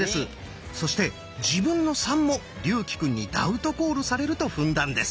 そして自分の「３」も竜暉くんにダウトコールされると踏んだんです。